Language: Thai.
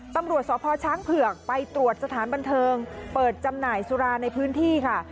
ตำรวจสพช้างเผือกไปตรวจสถานบันเทิงเปิดจำหน่ายสุราในพื้นที่ค่ะ